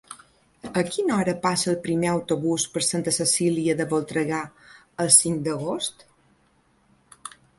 A quina hora passa el primer autobús per Santa Cecília de Voltregà el cinc d'agost?